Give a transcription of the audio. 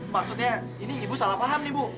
maksudnya ini ibu salah paham nih bu